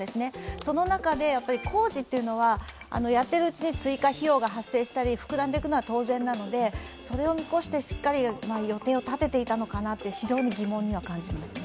その中で工事というのはやっているうちに追加費用が発生したり、膨らんでいくのは当然なので、それを見越して、しっかり予定を立てていたのかなと非常に疑問には感じますね。